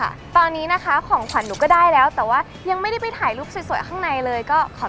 และนี่นะคะก็คือความพิเศษของขวัญของหนูนะครับ